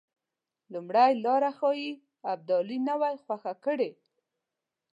لومړۍ لاره ښایي ابدالي نه وای خوښه کړې.